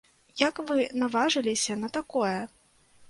Як вы наважыліся на такое?